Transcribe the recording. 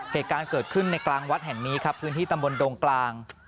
เหตุการณ์เกิดขึ้นในกลางวัดแห่งนี้ครับพื้นที่ตำบลดงกลาง